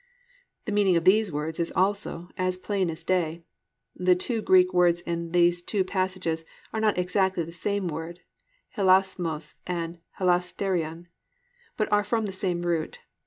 "+ The meaning of these words also is as plain as day. The two Greek words in these two passages are not exactly the same words (hilasmos and hilasterion) but are from the same root.